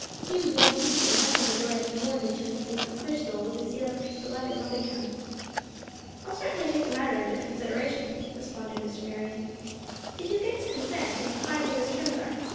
He is a born teacher, and nothing would delight him more than to imbue some other soul with a zeal for his beloved mother tongue." "I'll certainly take the matter into consideration," responded Mr. Marion, "if you will get his consent, and find what his terms are.